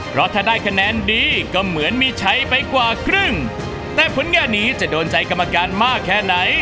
เพราะถ้าได้คะแนนดีก็เหมือนมีใช้ไปกว่าครึ่งแต่ผลงานนี้จะโดนใจกรรมการมากแค่ไหน